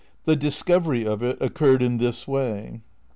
The discovery of it occurred in this way.